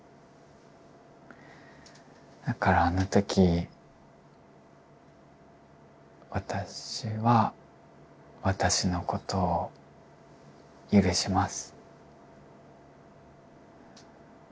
だからあの時「私は私のことを許します」。